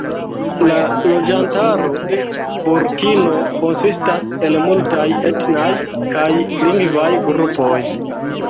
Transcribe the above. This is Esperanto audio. La loĝantaro de Burkino konsistas el multaj etnaj kaj lingvaj grupoj.